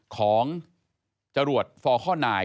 ของจรวดฟอร์คอลนาย